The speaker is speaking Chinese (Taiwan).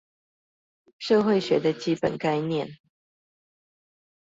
社會學的基本概念